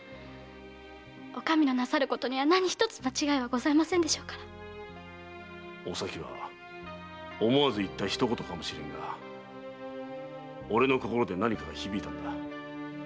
〔お上のなさることには何ひとつ間違いはないでしょうから〕おさきは思わず言ったひと言かもしれぬが俺の心で何かが響いたんだ。